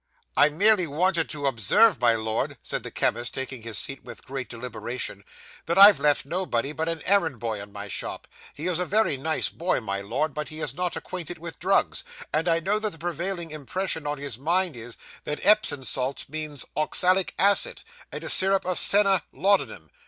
'I merely wanted to observe, my Lord,' said the chemist, taking his seat with great deliberation, 'that I've left nobody but an errand boy in my shop. He is a very nice boy, my Lord, but he is not acquainted with drugs; and I know that the prevailing impression on his mind is, that Epsom salts means oxalic acid; and syrup of senna, laudanum.